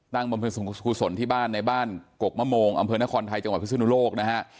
ตั้งบำเพศนะคะวุศลที่บ้านกกมะโมงอำเภิคนครไทยจังหวัดพฤศนโลก